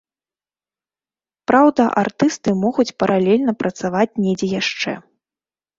Праўда, артысты могуць паралельна працаваць недзе яшчэ.